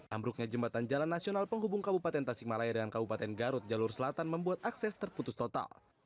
ambruknya jembatan jalan nasional penghubung kabupaten tasikmalaya dengan kabupaten garut jalur selatan membuat akses terputus total